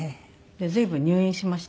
随分入院しました。